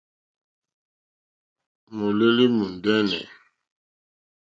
Mùlêlì mùndɛ́nɛ̀.